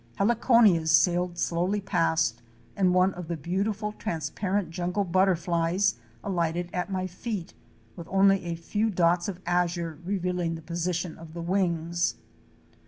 Heliconias sailed slowly past and one of the beautiful trans parent jungle butterflies alighted at my feet, with only a few dots of azure revealing the position of the wings.